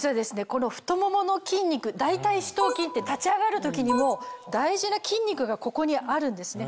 この太ももの筋肉大腿四頭筋って立ち上がる時にも大事な筋肉がここにあるんですね。